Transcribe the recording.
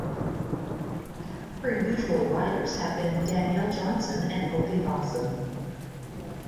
Her usual riders have been Danielle Johnson and Opie Bosson.